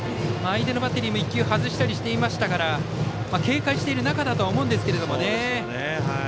相手のバッテリーも１球外したりしていますから警戒している中だと思うんですけどね。